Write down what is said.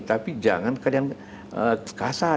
tapi jangan yang kasar